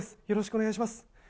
よろしくお願いします。